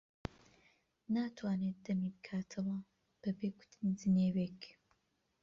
ناتوانێت دەمی بکاتەوە بەبێ گوتنی جنێوێک.